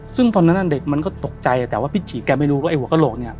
ซึ่งตอนนั้นเด็กมันก็ตกใจแต่ว่าพี่ฉี่แกไม่รู้ว่าไอ้หัวกระโหลกเนี่ย